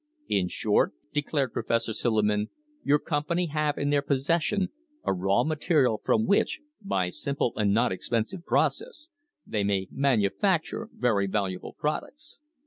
"In short," declared Professor Silliman, "your company have in their possession a raw material from which, by simple and not expensive process, they may manufacture very valuable products.